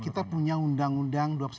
kita punya undang undang